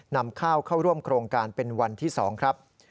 นำข้าวเข้าร่วมโครงการเป็นวันที่๒ครับ